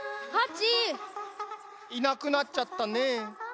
ハチ！いなくなっちゃったねえ。